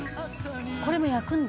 「これも焼くんだ？」